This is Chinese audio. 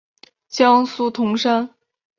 江苏铜山。